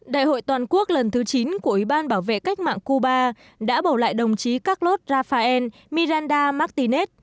đại hội toàn quốc lần thứ chín của ủy ban bảo vệ cách mạng cuba đã bầu lại đồng chí carlos rafael miranda martinet